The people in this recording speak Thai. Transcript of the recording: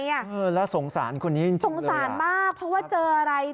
แล้วที่สงสารคนนี้จริงเลย